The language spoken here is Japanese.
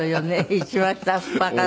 一番下っ端から。